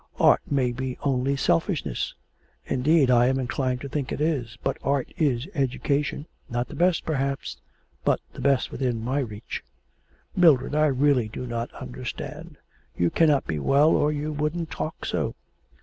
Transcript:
Art may be only selfishness, indeed I'm inclined to think it is, but art is education, not the best, perhaps, but the best within my reach.' 'Mildred, I really do not understand. You cannot be well, or you wouldn't talk so.'